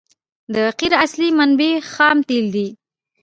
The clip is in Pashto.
د قیر اصلي منبع خام تیل دي